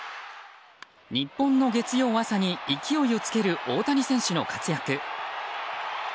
日本の月曜朝に勢いをつける大谷選手の活躍。